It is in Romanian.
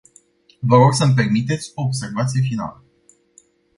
Vă rog să-mi permiteți o observație finală.